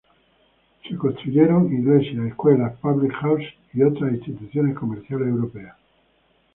Se construyeron iglesias, escuelas, "public houses", y otras instituciones comerciales europeas.